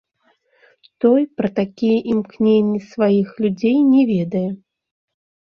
Той пра такія імкненні сваіх людзей не ведае.